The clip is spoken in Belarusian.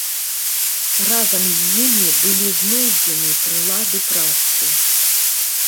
Разам з імі былі знойдзены прылады працы.